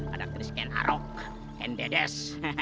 ada keris kain arok kain dedes